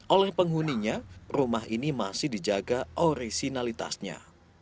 oleh penghuninya rumah ini masih dijaga orisinalitasnya